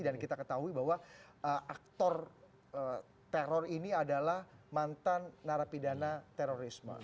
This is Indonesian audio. dan kita ketahui bahwa aktor teror ini adalah mantan narapidana terorisme